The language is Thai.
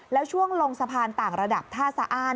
แล้วช่วงลงสะพานต่างระดับท่าสะอ้าน